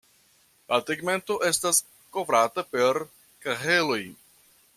La tegmento estas kovrata per kaheloj.